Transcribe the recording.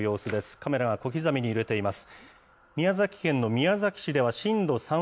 カメラが小刻みに揺れています。